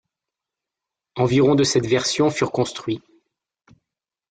Environ de cette version furent construits.